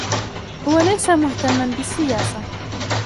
هو ليس مهتما بالسياسة.